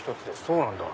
そうなんだ。